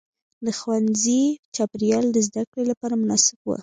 د ښوونځي چاپېریال د زده کړې لپاره مناسب و.